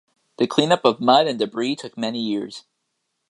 The cleanup of mud and debris took many years.